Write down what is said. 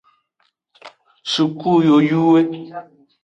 Suku yoyuwo.